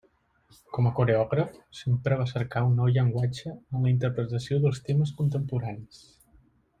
Com a coreògraf sempre va cercar un nou llenguatge en la interpretació dels temes contemporanis.